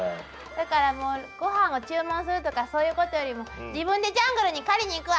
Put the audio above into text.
だからもうごはんを注文するとかそういうことよりも自分でジャングルに狩りに行くわ！